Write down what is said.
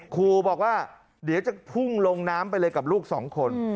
ครูบอกว่าเดี๋ยวจะพุ่งลงน้ำไปเลยกับลูกสองคน